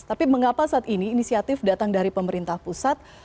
tapi mengapa saat ini inisiatif datang dari pemerintah pusat